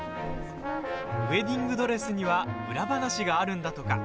ウエディングドレスには裏話があるんだとか。